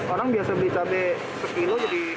orang biasa beli cabai sekilo jadi